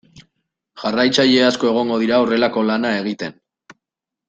Jarraitzaile asko egongo dira horrelako lana egiten.